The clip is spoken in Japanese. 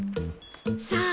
さあ